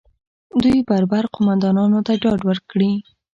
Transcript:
دوی بربر قومندانانو ته ډاډ ورکړي